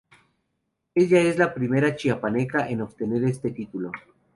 Ella es la primera Chiapaneca en obtener este título.